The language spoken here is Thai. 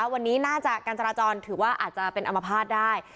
วันนี้น่าจะการจราจรถือว่าอาจจะเป็นอมภาษณ์ได้